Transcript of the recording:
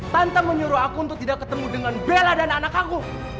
tanpa menyuruh aku untuk tidak ketemu dengan bella dan anakku